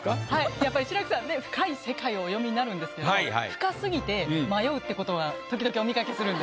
やっぱり志らくさんね深い世界をお詠みになるんですけどってことは時々お見かけするんで。